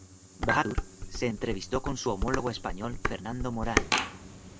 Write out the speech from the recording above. Bahadur se entrevistó con su homólogo español, Fernando Morán.